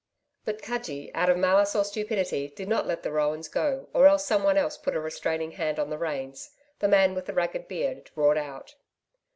But Cudgee, out of malice or stupidity, did not let the roans go or else someone else put a restraining hand on the reins. The man with the ragged beard roared out.